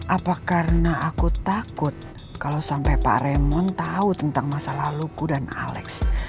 apa karena aku takut kalo sampe pak raymond tau tentang masalah luku dan alex